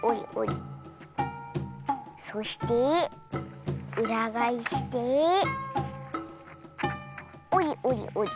そしてうらがえしておりおりおり。